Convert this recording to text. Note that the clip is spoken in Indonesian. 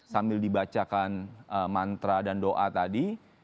sambil dibacakan mantra dan doa tadi